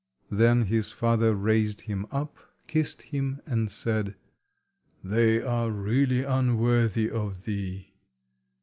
Then his father raised him up, kissed him, and said— "They are really unworthy of thee."